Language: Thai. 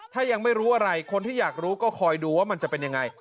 ถ้ายังไม่รู้อะไรคนที่อยากรู้ก็คอยดูว่ามันจะเป็นยังไง